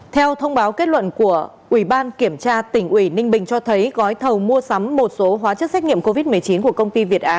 theo thông báo kết luận của ubktnb cho thấy gói thầu mua sắm một số hóa chất xét nghiệm covid một mươi chín của công ty việt á